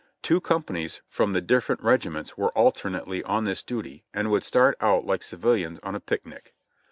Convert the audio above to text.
Two companies from the different regiments were alternately on this duty, and would start out like civilians on a picnic.